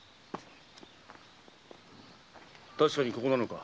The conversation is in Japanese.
確かにここなのか？